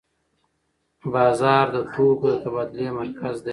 بازار د توکو د تبادلې مرکز دی.